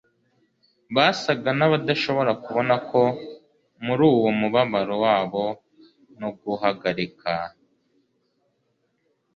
Basaga nabadashobora kubona ko muri uwo mubabaro wabo no guhagarika